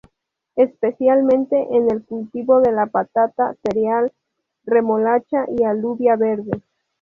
Especialmente en el cultivo de la patata, cereal, remolacha y alubia verde.